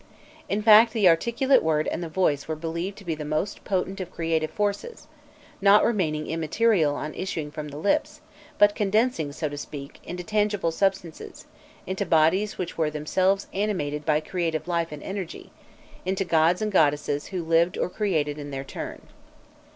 In fact, the articulate word and the voice were believed to be the most potent of creative forces, not remaining immaterial on issuing from the lips, but condensing, so to speak, into tangible substances; into bodies which were themselves animated by creative life and energy; into gods and goddesses who lived or who created in their turn.